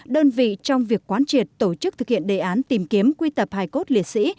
đơn vị trong việc quán triệt tổ chức thực hiện đề án tìm kiếm quy tập hài cốt liệt sĩ